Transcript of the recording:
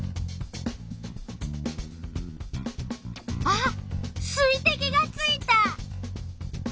あっ水てきがついた！